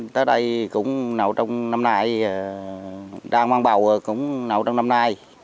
tới đây cũng nấu trong năm nay đang mang bầu cũng nấu trong năm nay